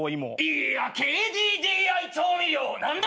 いやＫＤＤＩ調味料！何だ！？